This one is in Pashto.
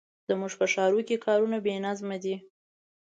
زموږ په ښارونو کې کارونه بې نظمه دي.